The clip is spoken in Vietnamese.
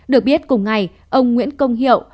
được biết cùng ngày ông nguyễn công hiệu